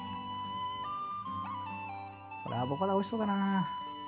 これアボカドおいしそうだな。